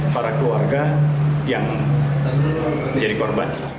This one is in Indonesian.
para keluarga yang menjadi korban